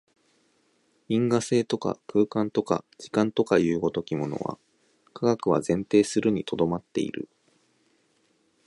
因果性とか空間とか時間とかという如きものは、科学は前提するに留まっている。